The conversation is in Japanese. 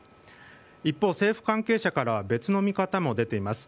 一方、政府関係者からは別の見方も出ています。